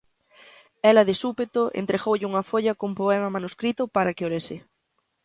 Ela, de súpeto, entregoulle unha folla cun poema manuscrito para que o lese.